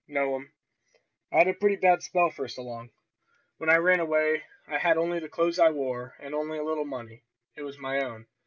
"No'm, I had a pretty bad spell first along. When I ran away I had only the clothes I wore, and only a little money. It was my own!"